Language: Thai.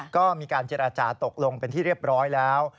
ก็มีการเจรจาตกลงเป็นที่เรียบร้อยแล้ว